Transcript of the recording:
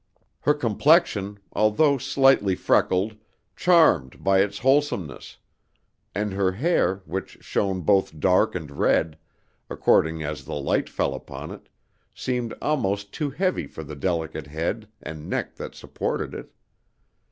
Her complexion, although slightly freckled, charmed by its wholesomeness; and her hair, which shone both dark and red, according as the light fell upon it, seemed almost too heavy for the delicate head and neck that supported it.